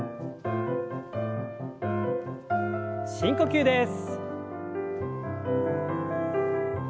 深呼吸です。